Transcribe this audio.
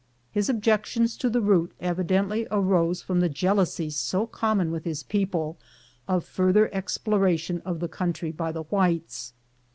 His objections to the route evidently arose from the jealousy so com mon with his people of further exploration of the country by the whites.